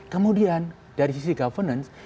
kemudian dari sisi governance